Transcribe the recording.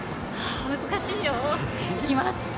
難しいよ。いきます。